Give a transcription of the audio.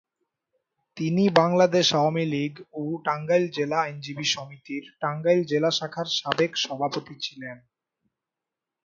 তিনি বাংলাদেশ আওয়ামী লীগ ও টাঙ্গাইল জেলা আইনজীবী সমিতির টাঙ্গাইল জেলা শাখার সাবেক সভাপতি ছিলেন।